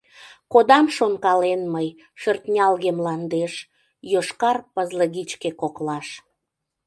Кодам шонкален мый шӧртнялге мландеш, Йошкар пызлыгичке коклаш.